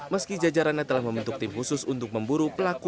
meski jajarannya telah membentuk tim khusus untuk memburu pelaku